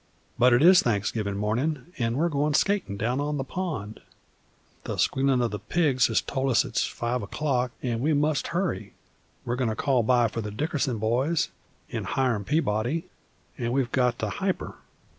But it is Thanksgivin' mornin', an' we're goin' skatin' down on the pond. The squealin' o' the pigs has told us it is five o'clock, and we must hurry; we're goin' to call by for the Dickerson boys an' Hiram Peabody, an' we've got to hyper!